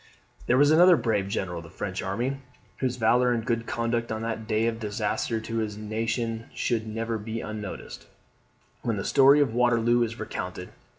There was another brave general of the French army, whose valour and good conduct on that day of disaster to his nation should never be unnoticed when the story of Waterloo is recounted.